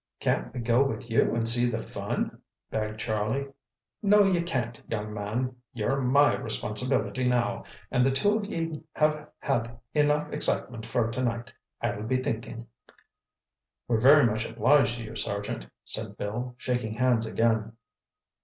"Can't we go with you and see the fun?" begged Charlie. "No, ye can't, young man. Ye're my responsibility now, and the two of ye have had enough excitement fer tonight, I'll be thinkin'." "We're very much obliged to you, Sergeant," said Bill, shaking hands again.